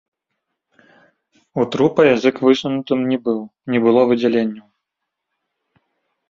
У трупа язык высунутым не быў, не было выдзяленняў.